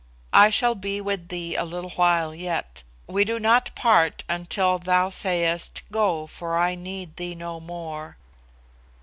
I shall be with thee a little while yet. We do not part until thou sayest, 'Go, for I need thee no more.